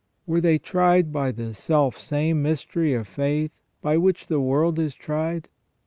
Were they tried by the self same mystery of faith by which the world is tried